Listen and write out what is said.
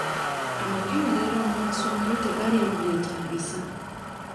Amakeberero mu masomero tegaliimu byetaagisa.